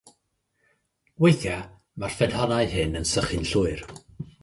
Weithiau, mae'r ffynhonnau hyn yn sychu'n llwyr.